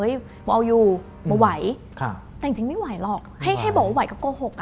ว่าเอาอยู่ว่าไหวแต่จริงไม่ไหวหรอกให้บอกว่าไหวก็โกหกอ่ะ